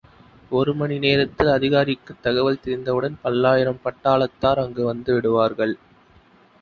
ஒரு மணி நேரத்தில் அதிகாரிக்குத் தகவல் தெரிந்தவுடன் பல்லாயிரம் பட்டாளத்தார் அங்கு வந்து விடுவார்கள்.